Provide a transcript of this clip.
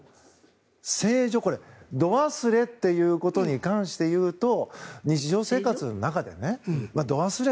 正常度忘れということに関していうと日常生活の中でね度忘れ。